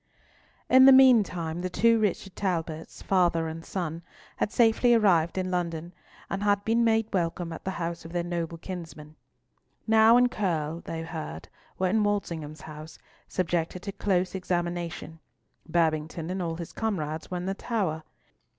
In the meantime the two Richard Talbots, father and son, had safely arrived in London, and had been made welcome at the house of their noble kinsman. Nau and Curll, they heard, were in Walsingham's house, subjected to close examination; Babington and all his comrades were in the Tower.